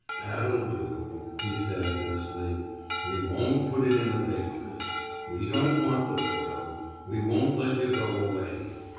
'' That'll do,'' he said, hoarsely. '' We won't put it in the papers. We don't want the photo. We won't let yuh go away.